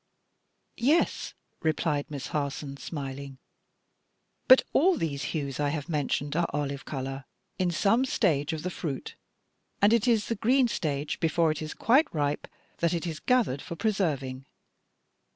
"Yes," replied Miss Harson, smiling, "but all these hues I have mentioned are olive color in some stage of the fruit; and it is in the green stage, before it is quite ripe, that it is gathered for preserving."